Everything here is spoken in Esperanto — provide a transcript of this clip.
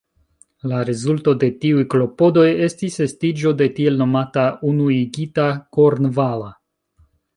La rezulto de tiuj klopodoj estis estiĝo de tiel nomata "Unuigita kornvala".